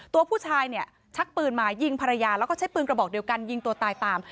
ตัวผู้ชายเนี่ยชักปืนมายิงภรรยาแล้วก็ใช้ปืนกระบอกเดียวกันยิงตัวตายตาม